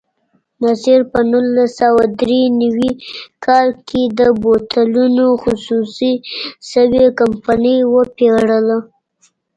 نصیر په نولس سوه درې نوي کال کې د بوتلونو خصوصي شوې کمپنۍ وپېرله.